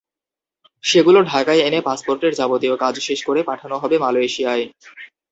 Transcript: সেগুলো ঢাকায় এনে পাসপোর্টের যাবতীয় কাজ শেষ করে পাঠানো হবে মালয়েশিয়ায়।